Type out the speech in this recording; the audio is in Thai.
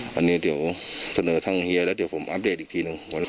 วันนี้เดี๋ยวเสนอทางเฮียแล้วเดี๋ยวผมอัปเดตอีกทีหนึ่ง